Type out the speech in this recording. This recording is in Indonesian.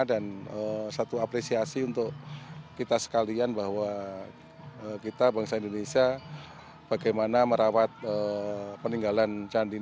dan satu apresiasi untuk kita sekalian bahwa kita bangsa indonesia bagaimana merawat peninggalan candi ini